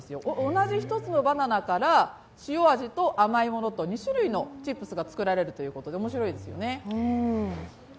同じ１つのバナナから塩味と甘いものと２種類のチップスが作られるということで面白いですよね。